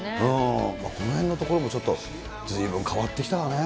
このへんのところも、ずいぶん変わってきたよね。